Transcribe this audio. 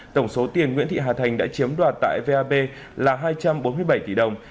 tổng số tiền nguyễn thị hà thành đã chiếm đoạt tại vab là hai trăm bốn mươi bảy tỷ đồng